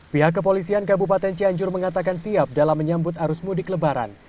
pihak kepolisian kabupaten cianjur mengatakan siap dalam menyambut arus mudik lebaran